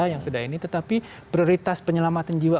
yang sudah ini tetapi prioritas penyelamatan jiwa